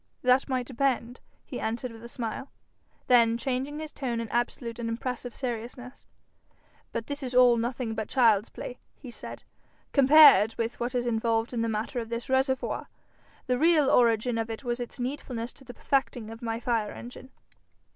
'That might depend,' he answered with a smile. Then changing his tone in absolute and impressive seriousness, 'But this is all nothing but child's play,' he said, 'compared with what is involved in the matter of this reservoir. The real origin of it was its needfulness to the perfecting of my fire engine.'